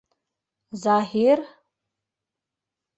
Заһир?!